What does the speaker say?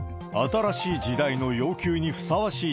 新しい時代の要求にふさわしい。